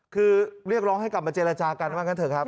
คือเรียกร้องให้กลับมาเจรจากันว่างั้นเถอะครับ